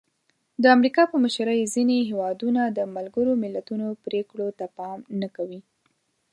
د امریکا په مشرۍ ځینې هېوادونه د ملګرو ملتونو پرېکړو ته پام نه کوي.